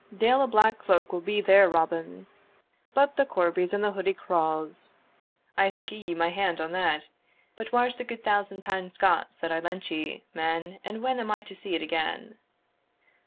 "Deil a black cloak will be there, Robin, but the corbies and the hoodie craws, I'se gie ye my hand on that. But whar's the gude thousand pund Scots that I lent ye, man, and when am I to see it again?"